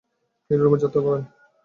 তিনি রোমে যাত্রা করেন।